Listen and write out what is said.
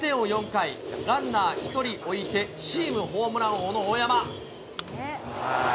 ４回、ランナー１人置いてチームホームラン王の大山。